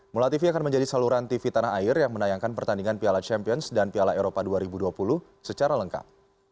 mula tv akan menjadi saluran tv tanah air yang menayangkan pertandingan piala champions dan piala eropa dua ribu dua puluh secara lengkap